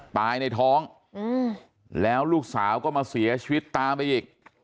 ในท้องแล้วลูกสาวก็มาเสียชีวิตตามไปอีก